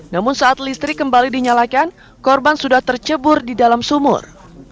namun saat listrik kembali dinyalakan korban sudah tercebur di dalam sumur